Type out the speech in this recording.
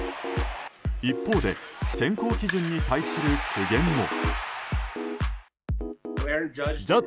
一方で選考基準に対する苦言も。